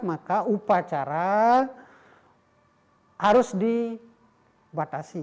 maka upacara harus dibatasi